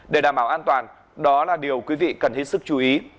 để đảm bảo an toàn đó là điều quý vị cần hết sức chú ý